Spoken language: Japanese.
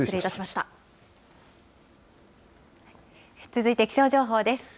続いて、気象情報です。